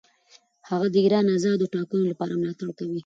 هغه د ایران آزادو ټاکنو لپاره ملاتړ کوي.